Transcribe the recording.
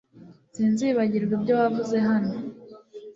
Sinzibagirwa ibyo wavuze hano